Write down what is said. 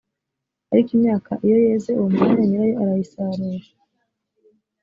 ariko imyaka iyo yeze uwo mwanya nyirayo arayisarura